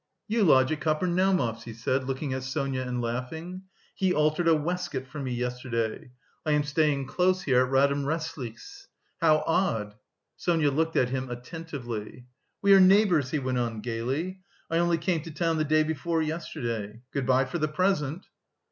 "You lodge at Kapernaumov's," he said, looking at Sonia and laughing. "He altered a waistcoat for me yesterday. I am staying close here at Madame Resslich's. How odd!" Sonia looked at him attentively. "We are neighbours," he went on gaily. "I only came to town the day before yesterday. Good bye for the present."